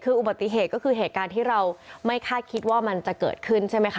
คืออุบัติเหตุก็คือเหตุการณ์ที่เราไม่คาดคิดว่ามันจะเกิดขึ้นใช่ไหมคะ